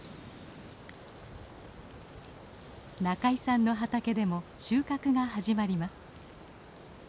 仲井さんの畑でも収穫が始まります。